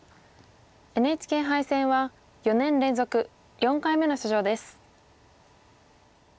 ＮＨＫ杯戦は４年連続４回目の出場です。